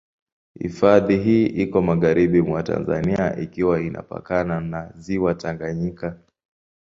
Hifadhi hii iko magharibi mwa Tanzania ikiwa inapakana na Ziwa Tanganyika.